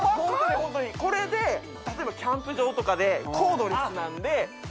これで例えばキャンプ場とかでコードレスなんで。